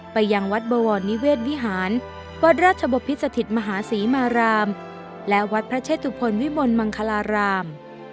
ไปยังวัดบวรนิเวศวิหารวัดราชบพิสถิตมหาศรีมารามและวัดพระเชตุพลวิมลมังคลาราม